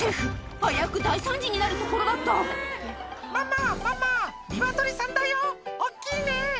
危うく大惨事になるところだった「ママママ鶏さんだよ大っきいね」